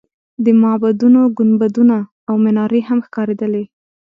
د معبدونو ګنبدونه او منارې هم ښکارېدلې.